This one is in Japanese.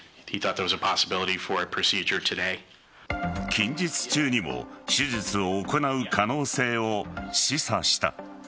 近日中にも手術を行う可能性を示唆した。